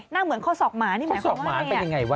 หน้าเหมือนข้อสอกหมานี่ไหมครับข้อสอกหมานเป็นอย่างไรวะ